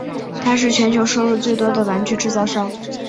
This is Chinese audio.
它是全球收入最多的玩具制造商。